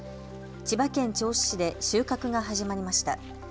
千葉県銚子市で収穫が始まりました。